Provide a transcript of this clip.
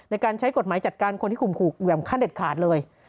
ในการใช้กฎหมายจัดการคนที่ข่มขู่แหวมขั้นเด็ดขาดเลย